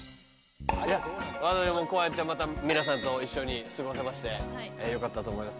こうやってまた皆さんと一緒に過ごせましてよかったと思います。